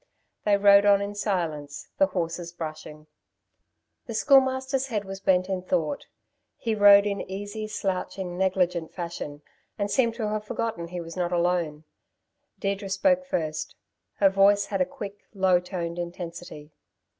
They rode on in silence, the horses brushing. The Schoolmaster's head was bent in thought. He rode in easy, slouching, negligent fashion, and seemed to have forgotten he was not alone. Deirdre spoke first. Her voice had a quick, low toned intensity.